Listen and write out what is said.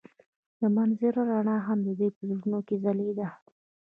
د منظر رڼا هم د دوی په زړونو کې ځلېده.